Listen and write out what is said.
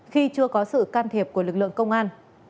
khi chưa có sự can thiệp của lực lượng công an